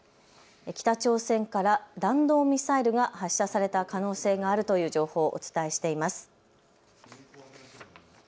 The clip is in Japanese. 北朝鮮から弾道ミサイルが発射された可能性があるという情報をお伝えしています。